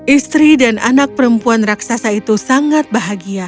istri dan anak perempuan raksasa itu sangat bahagia